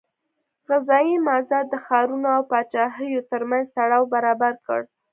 غذایي مازاد د ښارونو او پاچاهیو ترمنځ تړاو برابر کړ.